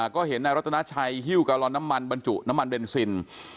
ก็เห็นนายรัตนาชัยฮิ้วกาลอนน้ำมันบรรจุน้ำมันเบนซิน